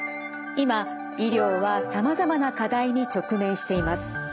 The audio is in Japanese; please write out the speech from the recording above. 今医療はさまざまな課題に直面しています。